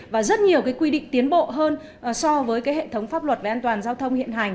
và rất nhiều cái quy định tiến bộ hơn so với cái hệ thống pháp luật về an toàn giao thông hiện hành